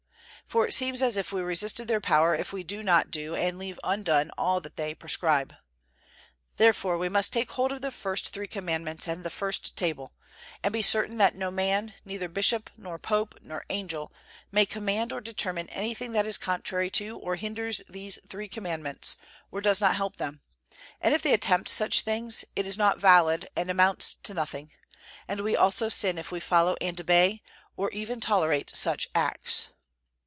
For it seems as if we resisted their power if we do not do and leave undone all that they prescribe. Therefore we must take hold of the first three Commandments and the First Table, and be certain that no man, neither bishop, nor pope, nor angel, may command or determine anything that is contrary to or hinders these three Commandments, or does not help them; and if they attempt such things, it is not valid and amounts to nothing; and we also sin if we follow and obey, or even tolerate such acts.